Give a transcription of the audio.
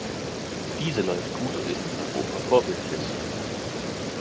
Diese läuft gut und ist in Europa vorbildlich.